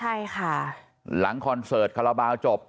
ใช่ค่ะหลังคอร์นเซิร์ตคัลปาวจบ